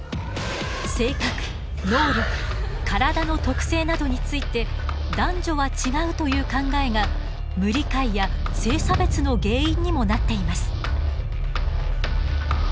性格能力体の特性などについて男女は違うという考えが無理解や性差別の原因にもなっています。